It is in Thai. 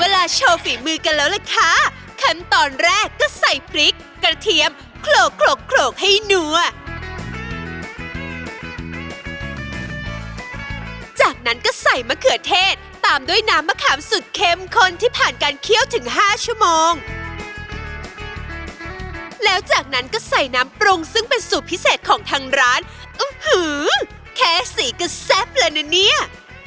แล้วก็ต้องต้องนำมะเขือเทศตามด้วยน้ำมะขามสุดเค็มคนที่ผ่านการเคี่ยวถึงห้าชั่วโมงแล้วจากนั้นก็ใส่น้ำปรงซึ่งเป็นสูตรพิเศษของทางร้านแค่สีก็แซ่บแล้วเนี่ย